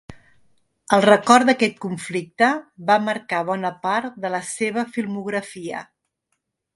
El record d’aquest conflicte va marcar bona part de la seva filmografia.